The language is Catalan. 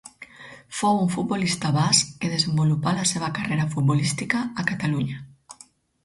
Fou un futbolista basc que desenvolupà la seva carrera futbolística a Catalunya.